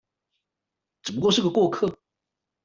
只不過是個過客